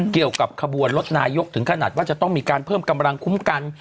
เกี่ยวกับขบวนรถนายกถึงขนาดว่าจะต้องมีการเพิ่มกำลังคุ้มกัน